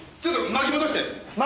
巻き戻して！